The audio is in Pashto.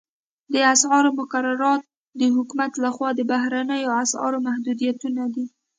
د اسعارو مقررات د حکومت لخوا د بهرنیو اسعارو محدودیتونه دي